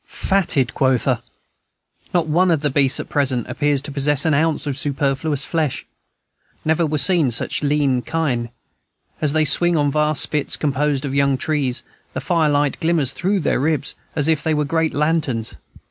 Fatted, quotha! Not one of the beasts at present appears to possess an ounce of superfluous flesh. Never were seen such lean kine. As they swing on vast spits, composed of young trees, the firelight glimmers through their ribs, as if they were great lanterns.